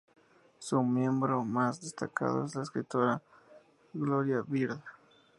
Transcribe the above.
Su miembro más destacado es la escritora Gloria Bird.